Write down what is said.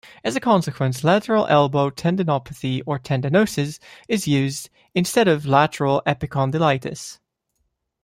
As a consequence, "lateral elbow tendinopathy or tendinosis" is used instead of "lateral epicondylitis".